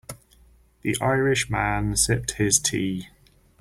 The Irish man sipped his tea.